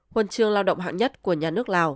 huân chương lao động hạng nhất của nhà nước lào